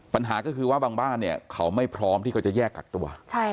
ปัญหาก็คือว่าบางบ้านเนี่ยเขาไม่พร้อมที่เขาจะแยกกักตัว